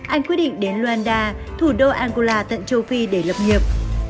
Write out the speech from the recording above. anh quyết định đến loanda thủ đô angola tận châu phi để lập nghiệp